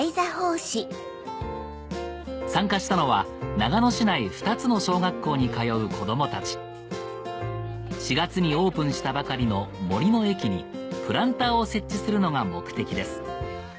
参加したのは長野市内２つの小学校に通う子供たち４月にオープンしたばかりの森の駅にプランターを設置するのが目的です